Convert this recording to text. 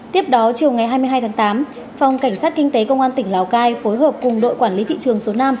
tiếp đó chiều ngày hai mươi hai tháng tám phòng cảnh sát kinh tế công an tỉnh lào cai phối hợp cùng đội quản lý thị trường số năm